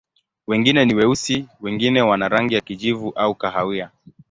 Wengine ni weusi, wengine wana rangi ya kijivu au kahawia.